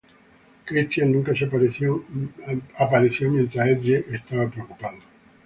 Christian nunca se apareció mientras Edge estaba preocupado.